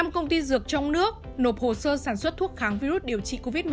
một mươi công ty dược trong nước nộp hồ sơ sản xuất thuốc kháng virus điều trị covid một mươi chín